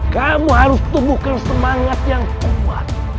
kamu harus temukan semangat yang kuat